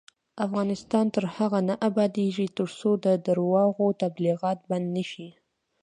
افغانستان تر هغو نه ابادیږي، ترڅو د درواغو تبلیغات بند نشي.